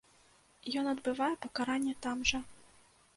Ён адбывае пакаранне там жа.